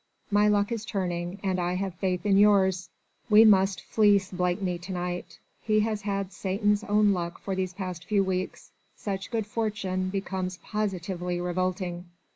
My luck is turning, and I have faith in yours. We must fleece Blakeney to night. He has had Satan's own luck these past few weeks. Such good fortune becomes positively revolting."